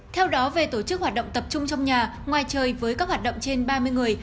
theo đó về tổ chức hoạt động tập trung trong nhà ngoài trời với các hoạt động trên ba mươi người